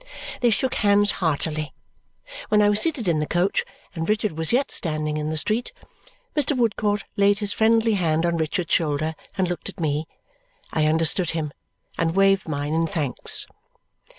They shook hands heartily. When I was seated in the coach and Richard was yet standing in the street, Mr. Woodcourt laid his friendly hand on Richard's shoulder and looked at me. I understood him and waved mine in thanks.